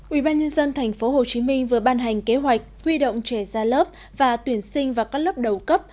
ubnd tp hcm vừa ban hành kế hoạch huy động trẻ ra lớp và tuyển sinh vào các lớp đầu cấp